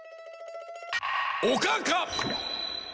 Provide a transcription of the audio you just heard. おかかっ！